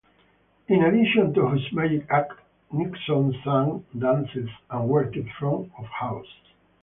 In addition to his magic act, Nixon sang, danced and worked front of house.